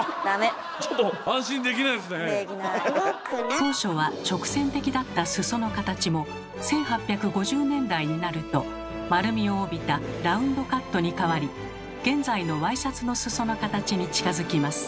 当初は直線的だった裾の形も１８５０年代になると丸みを帯びたラウンドカットに変わり現在のワイシャツの裾の形に近づきます。